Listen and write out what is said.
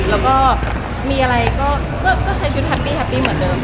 แล้วก็มีอะไรก็ใช้ชีวิตแฮปปี้แฮปปี้เหมือนเดิม